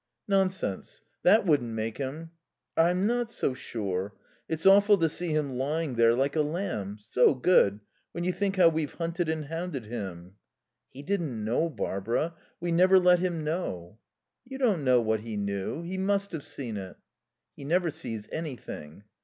"Nonsense; that wouldn't make him " "I'm not so sure. It's awful to see him lying there, like a lamb so good when you think how we've hunted and hounded him." "He didn't know, Barbara. We never let him know." "You don't know what he knew. He must have seen it." "He never sees anything."